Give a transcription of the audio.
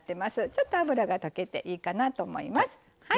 ちょっと脂が溶けていいかなと思います。